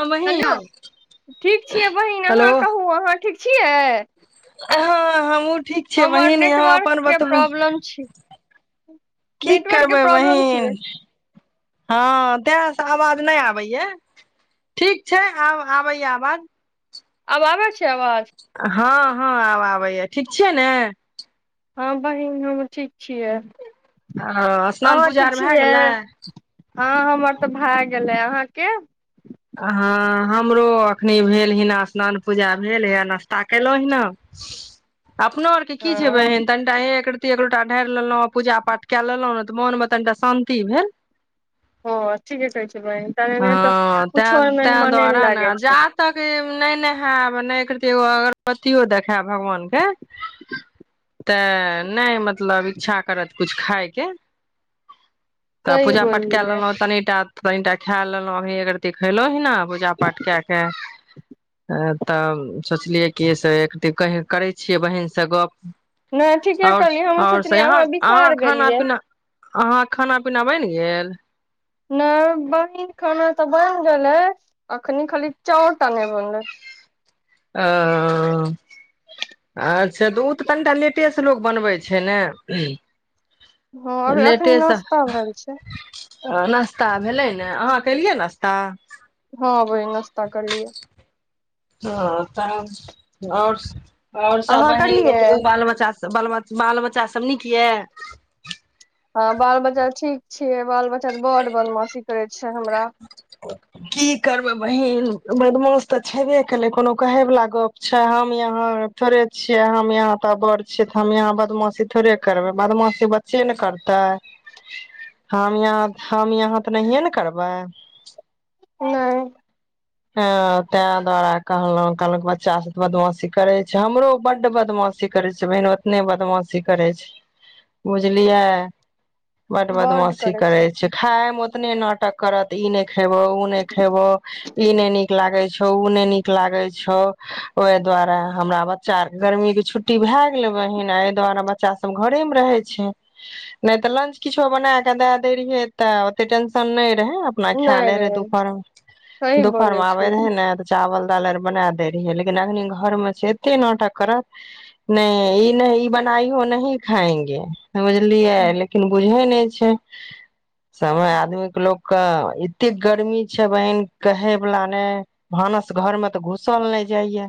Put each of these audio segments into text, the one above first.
बहिन हेलो ठीक छियै बहिन अहाँ कहू अहाँ ठीक छियै हँ हमहूँ ठीक छै हमर बहिन अहाँ नेटवर्क अपन के बतबू प्रॉब्लम छी की नेटवर्क के करबै प्रॉब्लम छियै बहिन हँ तैँसँ आवाज नहि आबै या ठीक छै आब आबै या आवाज आब आबै छै आवाज हँ हँ आब आबैय ठीक छियै ने हँ बहिन हम ठीक छियै हँ स्नान अहाँ पूजा ठीक आर भए छियै गेलै हँ हमर तऽ भए गेलै अहाँके हँ हमरो एखनि भेल हन स्नान पूजा भेल हे नाश्ता केलहुँ ओहिना अपनो आर के की हँ छै बहिन तनिटा एक- के एक लोटा ढारि लेलहुँ पूजा पाठ कए लेलहुँ ने तऽ मन मे तनिटा शांति भेल हँ ठीके कहै छै बहिन ताबे नहि तऽ ओहिमे तें-तें मने नहि द्वारा ने लागै जा छै तक ई नहि नहायब नहि अकरति एगो अगरबत्तियो देखायब भगवान के [inaudible] तऽ नहि मतलब इच्छा करत कुछ खाइ के तऽ सही पूजा पाठ काए बोललियै लेलहूँ कनिटा तनिटा खा लेलहुँ [unintelligible] देखेलहूँ ही ना पूजा पाठ कए के हें तब सोचलियै की से एक कह करै छियै बहीनसँ गप नहि ठीके आओर कहलियै हम आओर से सोचलियै यहाँ अहाँ बिसर खाना गेलियै पीना अहाँ खाना पीना बनि गेल नहि बहिन खाना तऽ बनि गेलै अखनि खाली चाउ टा नहि बनलै अ-अच्छा तऽ उ तऽ कनिटा लेटेसँ लोक बनबै छै ने हँ अभी एखने नाश्ता भेएल छै नास्ता भेलै ने अहाँ केलियै नास्ता हँ बहिन नाश्ता केलियै हँ तऽ आओर आओर आओर सब अहाँ बहिन करलियै बतबु बाल बच्चा सब बाल बच् बाल बच्चा सभ नीक या हँ बाल बच्चा ठीक छै छियै बाल बच्चा बड्ड बदमाशी करैत छै हमरा की करबै बहिन बदमाश तऽ छेबे केलै कोनो कहेवला गप छै हम यहाँ थोड़े छियै हम यहाँ तऽ बड़ छियै तऽ हम यहाँ बदमाशी थोड़े करबै बदमाशी बच्चे ने करतै हम यहाँ हम अहाँ तऽ नहिए ने करबै नहि हँ ताँ दुआरे कहलहुँ आइकालूक बच्चासभ तऽ बदमाशी करै छै हमरो बड्ड बदमाशी करै छै बहिन ओतने बदमाशी करै छै बुझलियै बड्ड बड बदमाशी करै छै छथिन खाइ मे ओतने न- करत इ नहि खेबो उ ने खेबो ई ने नीक लागै छो तऽ उ नै नीक लागै छो ओइ दुआरे हमरा बच्चा आरके गर्मी के छुट्टी भए गेलै बहिन ऐ दुआरे बच्चा सब घरे मे रहै छै नै तऽ लंच किछो बना केए देय दैत रहियै तऽ ओत्ते टेंनशन नहि रहै खा नहि लै रहै रहे दुपहर मे सही दुपहर बोलै मे आबै छियै रहै ने तऽ चावल दाल आर बना देै रहियै लेकिन अखनी घर मे छै एत्ते नटाक करत ने ई नहि ई नहीं बनाई हो ई नहीं खाएंगे बझलियै लेकिन बुझे नहि छै समय आदमीेके लोकके एत्ते गर्मी छै बहिन कहै वला ने भानस घर मे तऽ घुसल नहि जाइया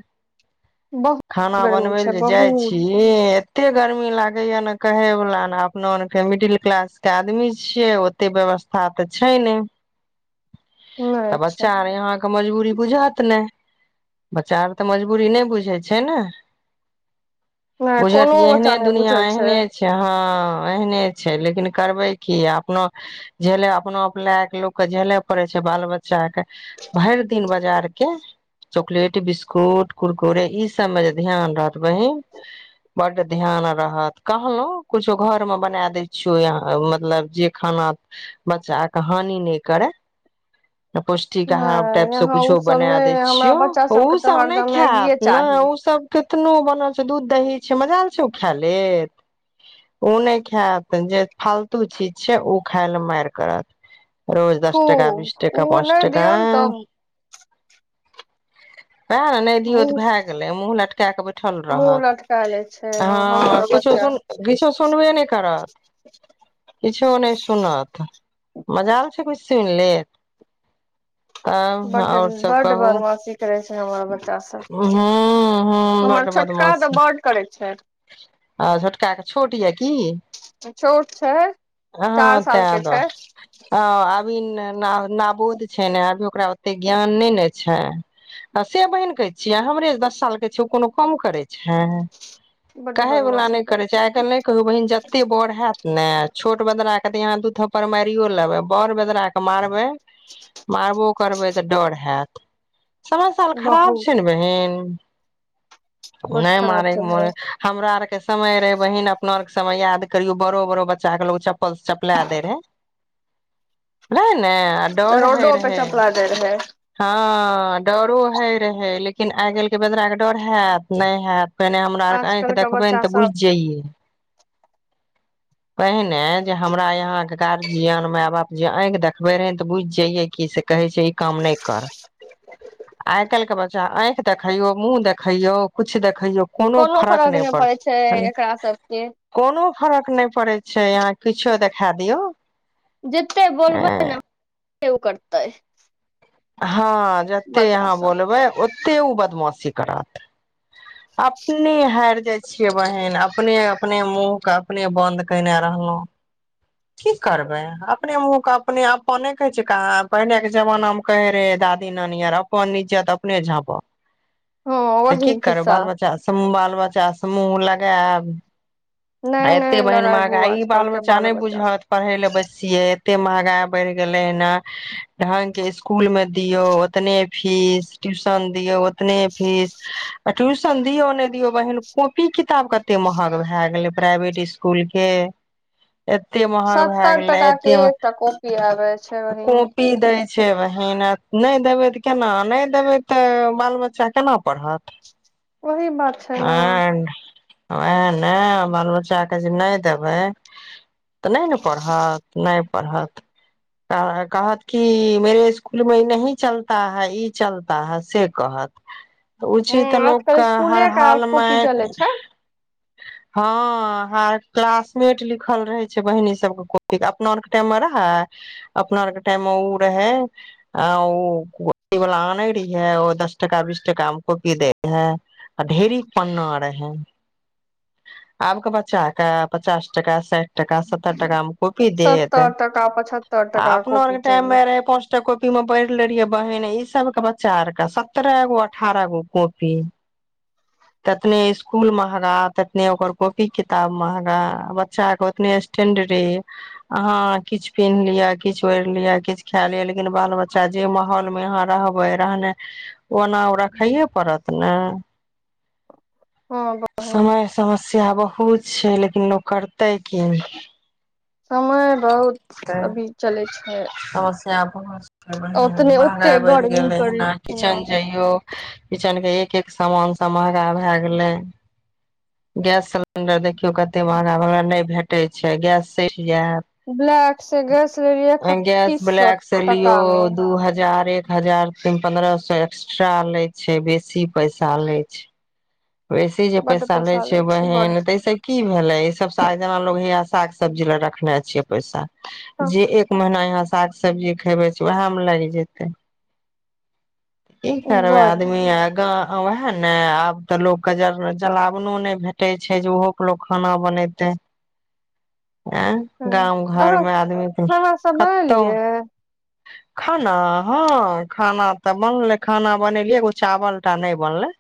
बहुत खाना गर्मी बनबै छै लए जाइ बहुत छी ए- एत्ते गर्मी लागै या ने कहै वला नै अपना आरों के मिडिल क्लास के आदमी छियै ओते व्यवस्था तऽ छै ने नहि तब छै बच्चा आर अहाँक मजबूरी बुझत ने बच्चा आर तऽ मजबूरी नहि बुझै छै ने नहि बुझएत कोनो एहने बच्चा नहि दुनियाँ बुझै एहने छै हँ हाँ एहने छै लेकिन करबै की अपनो झेले अपनो आप लगा के लोक झेलै पड़े छै बाल बच्चा के भरि दिन बाजार के चॉकलेट बिस्कुट कुरकुरे ई सब मे जे ध्यान रहत बहिन बड्ड ध्यान रहत कहलहूँ कुछो घर मे बना दै छियौ या मतलब जे खाना बच्चा के हानि नहि करे पुष्टिक अह नहि टाइप से यहाँ ओ कुछो सब बना नहि दै हमरा छियौ बच्चा ओ सबके तऽ सब नहि हरदम खायत मैगिए नै चाही ओ सबके कतनो बनल छै दूध दही छै मजााल छै ओ खाइ लेत ओ नहि खायत जे फालतू चीज छै ओ खाइ लेल मारि करत रोज दस टाका बिस खूब ओ नहि दियौन तब वैह नै दियौ त भए गेलै, मुँह लटका क बैठल मुँह रहत। लटका लै छै हँ हमर हं किछो बच्चा सुन किछो सुनबे नहि करत किछो नहि सुनत, मजाल छै किछु सुनि लेत। तब बड और सब बड कहु, बदमाशी करै छै हमर बच्चा सब हुं हुं हमर बड छोटका तऽ बदमाशी बड करै छै आ छोटका छोट ये कि छोट छै, चार तें सालके छै। दुआरे बौध छै ने अभी ओकरा ओते ज्ञान नहि ने छै। आ से बहिन कहै छियै हमरे दस सालके छै ओ कोनो काम करै छै। बड कहैवला बदमाशी नै करै छै, आइ काल्हि नहि कहियौ बहिन जतेक बड़ हयत नै छोट बदरा के त अहां दु थापर मारियो लेबै, बड़ बदरा के मारबै मारबो करबै त डर हयत। समय साल छै खराब बहुत छै ने बहिन। नै बड खराब मारैके छै मोन होइये, भाय हमरा आर के समय रहै बहिन अपना और समय याद करियौ बड़ो बड़ो बच्चा के लोग चपल से चपला देै रहे। नै ने डर रोडो होइ पर चपला दै रहै। हां डरो हय रहे लेकिन आइ काल्हि के बेदरा के डर हयत, नहि हयत। पहिने हमरा आरके आंखि आजकल के देखबैन बच्चा त बुझि सब जइयै। पहिने जे हमरा यहांके गार्जियन, माय बाप जे आंखि देखबे रहै न बुझि जाइयै कि से कहै छै इ काम नै कर। आइ काल्हि के बच्चा आंखि देखैयौ, मुंह देखैयौ, कुछ कोनो फरक नहि पड़ै छै एकरा सबके कोनो फरक नै। पड़ै छै अहां किछो देख है दियौ जेतै बोलबै न केयो करतै। हां, जते बच्चा अहां सब बोलबै ओत ते ओ बदमाशी करत, अपने हारि जाय छियै बहिन अपने अपने मुंह के अपने बंद केने रहलहुं, की करबै अपने मुंह के अपने अपन नै कहे छै कहां पहिनेे के जमाना मे कहै रहेै दादी नानि और अपन इज्जत अपने झाँप हँ त वही कि करब खिस्सा बाल बच्चा संग बाल बच्चा से मुंह लगायब। नहि एते नहि बहिन लगाबू महंगाइ इ आजकल बाल के बच्चा नहि सब बुझत, पढ़य ले बैसियै। एते महंगाइ बढ़ गेलै ने, ढंग के इसकुल में दियौ उतने फीस, ट्यूशन दियौ उतने फीस आ ट्यूशन दियौ नै दियौ बहिन, कॉपी किताब कते महग भय गेलै। प्राइवेट इसकुल के एते महग भए सत्तर गेलै टका एते के एकटा कापी आबै छै बहिन। कॉपी दै छै बहिन, नहि देबै त केना, नहि देबै त बाल बच्चा केना पढ़त। ओही बात छै ने ओएह ने बाल बच्चाके जे नहि देबै तऽ नहि नहि पढ़त नहि पढ़त कहत की मेरे इसकुल में ई नहीं चलता है ई चलता है से कहत ऊ हूं चीज तऽ आजकल लोकके हर स्कुले के हालमे कॉपी चलै छै हँ ह क्लासमेट लिखल रहे छै बहिन इ सबके कॉपी अपना आरके टाइम मे रहे अपना आरके टाइम मे ओ रहै आ ओ की वाल आनै रहियै ओ दस टका बीस टका मे कॉपी दै रहे आ ढेरी पन्ना रहे आबके बच्चाक क पचास टाका साठि टाका सत्तर टका कॉपी देत सत्तर टका पचहत्तर आ टका अपनो और कॉपी के टाइम चाहिए पाँचटा कॉऽ- कॉपी मे पढ़ ले रहियै बहिन ई सब के बच्चा आर के सतह गो अठारह गो कॉपी ततने स्कूल महगा ने ओकर कॉपी किताब महगा बच्चाके ओतने स्टैंडरी अहाँ किछु पिन्ह लिअ किछु ओढ़ि लिअ किछु खा लिअ लेकिन बाल बच्चा जे माहौलमे अहाँ रहबै रहने ओना ओ रखैए पड़त ने हँ ग बहिन समय समस्या बहुत छै लेकिन लोक करतै की समय बहुत अभी चलै छै समस्या बहुत बढ़ ओतने ओते महगाइ बढ़ि गर्मी गेलै ह करलखिन हँ किचेन जइयो किचेन के एक समान सब महगा भए गेलै गैस सिलेंडर देख यो कते महगा भे गेल नहि भेट टै छै गैस सै ब्लैक से गैस लेलियै गैस एकतीस सौ ब्लैक से टका लियौ मे दू हजार एक हजार तीन पन्द्रह सए एक्स्ट्रा लै छै बेसी पैसा लै छै वैसे जे बड पैसा ले छै लै बड बहिन तऽ से की भेलै ई सबसे आइ जेना लगै हैय साग सब्जी ले रखने छियै पैसा जे एक महीना यहाँ साग सब्जी खेबै छै उएहमे लागि जेतै ई करबै बड आदमी आगा ओएह ने आब तऽ लोकके ज जलावनो नहि भेटै छै जे ओहो पर लोक खाना बनेतै आँ हँ, गाँव अहाँ घरमे आदमी त खाना सब कतहु बनेलियै खाना हँ खाना तऽ बनलै खाना बनेलियै एगो चावल टा नहि बनलै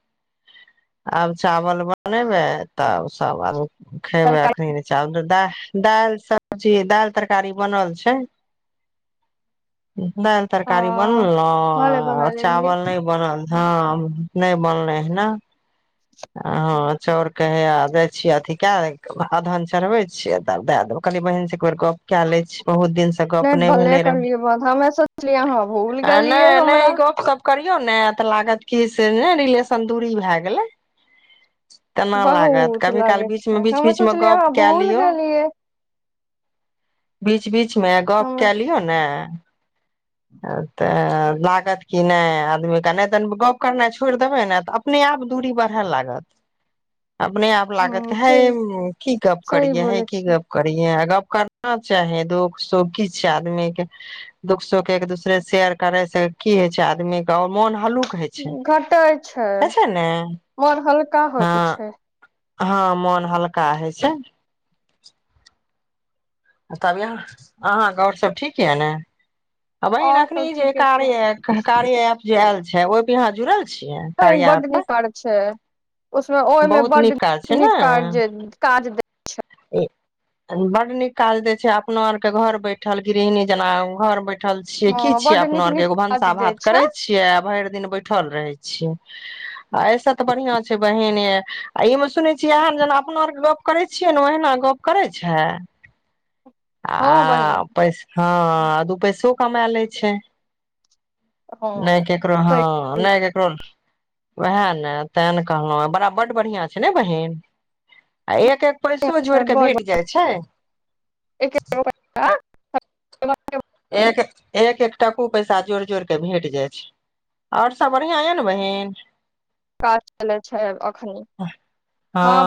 आब चावल बनेबै तब सब आरु खेबै तरकारी अखनी चउ तऽ द दालि सब्जी दालि तरकारी बनल छै दालि आ तरकारी भले बना बनलौं लेलियै चावल नहि बनल हँ नहि बनले ह ने हँ चाउर के हैया आब जाइ छियै अथी कए अदहन चढ़बै छियै तऽ दए देब कनि बहिन गप कए लै छी बहुत दिन से गप नेट नहि भले भेले रे करलियै बंद हमे सोचलियै अहाँ भूल आ गेलियै नहि नहि हमरा ई गप सप करियौ ने तऽ लागत की से ने रिलेशन दूरी भए गेलै तेना लागत बहुत कभी काल लागै बीच मे छै बीच हमे बीच मे सोचलियै गप अहाँ कए भूल लियौ गेलियै बीच बीच- - मे गप हमे काए लियौ न तऽ लागत की नहि आदमीकेँ नहि तऽ गप्प करनाइ छोड़ि देबै ने तऽ अपने आप दूरी बढ़य लागत अपने आप ह लागत चल हय की गप्प सही करियै हह बोलै की छियै गप्प करियेै गप करना चाही दुःख सुखी की छियै आदमी के दुःख सुख एक दोसरे शेयर करै स की होइ छै आदमी के आओर मोन हलुक होइ छै होइ छै ने मोन हल्का हँ होइ छै हँ मन हल्का होइ छै तब अहाँ अहाँके आओरसभ ठीक या ने बहिन और सब अखनी जे ठीके कार छै कार्य एप कार्या ऐप जे आएल छै ओमे अहाँ जुड़ल छियै ओय कार्या ऐप बड्ड पर नीक कार्य छै उसमे ओहिमे बहुत बड्ड काज नीक छै नीक कार्य जे काज दै बड्ड नीक काज देय छै अपना आर के घर बैठल गृहणी जेना घर बैठल बैठल छियै हँ की छियै बड अपना नीक आर के नीक एगो काज भनसा दै भात छै करै छियै भरि बैठल रहै छियै आ ऐस तऽ बढ़ियाँ छै बहिनयै आ ई मे सुनै छियै ऐंह जेना अपना आर के गप करै छियै छै ने ओहिना गप करै छै हँ आ-अ बहिन पैस हँ दू पैसो कमा लै छै हँ नहि ककरो हँ नहि ककरो उएह ने तां ने कहलहुँ बड़ा बड्ड बढ़ियाँ छै ने बहिन आ एक के पैसो जोड़ कऽ काज भेट जाइ छै [unintelligible] एक एक एक एक टकू पैसा जोड़ि जोड़ि कऽ भेट जाइ छै आओर सभ बढ़ियाँ या ने बहीन काज चलै छै अ- हँ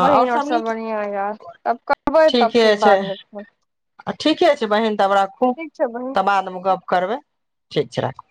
आओर सभ सब नीक बढ़िया यार तब करबै तब ठीके फिर छै बाद मे फोन ठीके छै बहन तब राखू ठीक छै बहिन तब बादमे गप करबै ठीक छै राखू